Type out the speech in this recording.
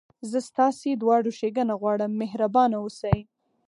زه ستاسي دواړو ښېګڼه غواړم، مهربانه اوسئ.